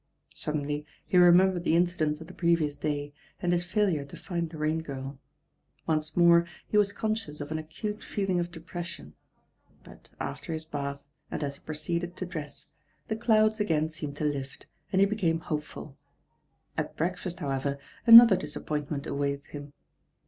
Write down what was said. Suddenly he remembered the incidents of the previous day. and his failure to find the Rain Girl Once more he was conscious of an acute feeling of depression; but after his bath, and as he proceeded to dress, the clouds again seemed to lift, and he became hopeful. aw^ld"^^' V°^''"' '"^''^'^ disappointment awa ted him.